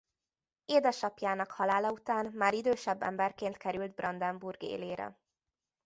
Édesapjának halála után már idősebb emberként került Brandenburg élére.